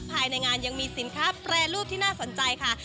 ภายในงานยังมีสินค้าแปรรูปที่น่าสนใจค่ะ